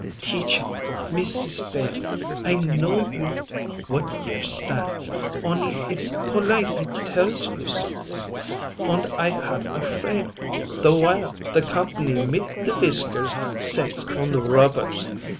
"Teacher, Missis Bailey, I know you know what year stands. On'y it's polite I tells you something, und I had a fraid the while the 'comp'ny mit the whiskers' sets und rubbers.